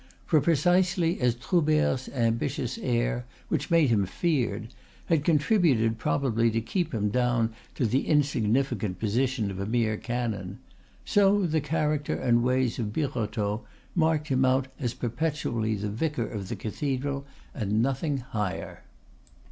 For, precisely as Troubert's ambitious air, which made him feared, had contributed probably to keep him down to the insignificant position of a mere canon, so the character and ways of Birotteau marked him out as perpetually the vicar of the cathedral and nothing higher.